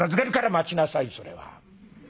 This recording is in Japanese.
「待ちなさいそれは。